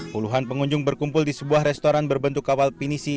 puluhan pengunjung berkumpul di sebuah restoran berbentuk kawal pinisi